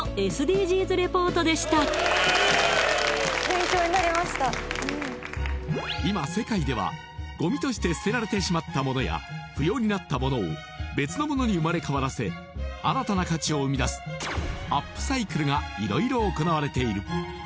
以上今世界ではゴミとして捨てられてしまったものや不要になったものを別のものに生まれ変わらせ新たな価値を生み出すアップサイクルが色々行われている